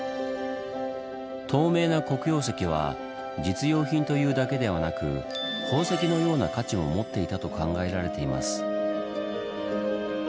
透明な黒曜石は実用品というだけではなく宝石のような価値も持っていたと考えられています。